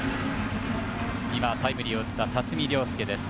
タイムリーを打った辰己涼介です。